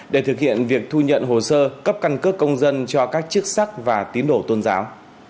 để thực hiện việc thu nhận hồ sơ cấp căn cước công dân cho các chức sắc và tín đổ tôn giáo